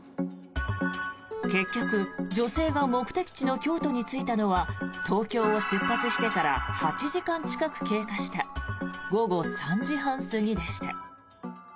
結局、女性が目的地の京都に着いたのは東京を出発してから８時間近く経過した午後３時半過ぎでした。